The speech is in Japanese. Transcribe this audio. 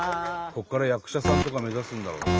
ここから役者さんとか目指すんだろうな。